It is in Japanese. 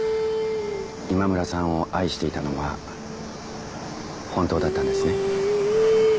今村さんを愛していたのは本当だったんですね？